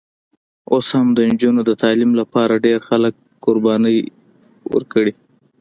اوس هم د نجونو د تعلیم لپاره ډېر خلک قربانۍ ورکړي.